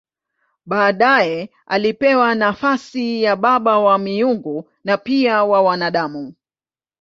Baadaye alipewa nafasi ya baba wa miungu na pia wa wanadamu.